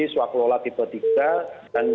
swaklola tipe tiga dan